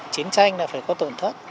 chiến tranh là phải có tuần thất